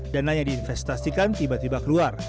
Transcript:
dan nanya diinvestasikan tiba tiba keluar